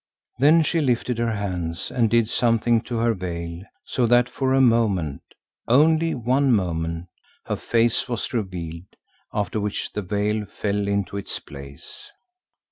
Then she lifted her hands and did something to her veil, so that for a moment—only one moment—her face was revealed, after which the veil fell into its place.